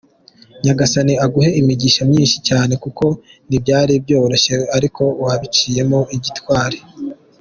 Nyagasani aguhe imigisha myinshi cyane kuko ntibyari byoroshye ariko wabiciyemo gitwari.